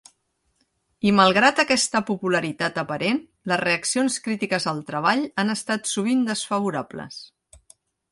I malgrat aquesta popularitat aparent, les reaccions crítiques al treball han estat sovint desfavorables.